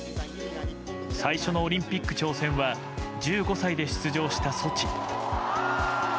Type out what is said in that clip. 最初のオリンピック挑戦は１５歳で出場したソチ。